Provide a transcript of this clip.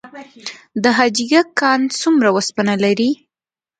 د حاجي ګک کان څومره وسپنه لري؟